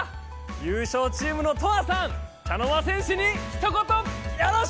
優勝チームのトアさん茶の間戦士にひと言よろしく！